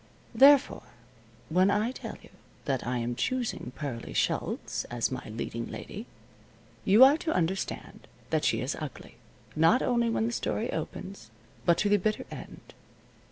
Therefore, when I tell you that I am choosing Pearlie Schultz as my leading lady you are to understand that she is ugly, not only when the story opens, but to the bitter end.